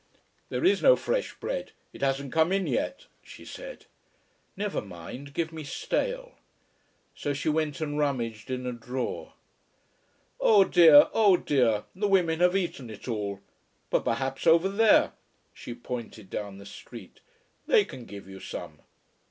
"There is no fresh bread. It hasn't come in yet," she said. "Never mind, give me stale." So she went and rummaged in a drawer. "Oh dear, Oh dear, the women have eaten it all! But perhaps over there " she pointed down the street "they can give you some."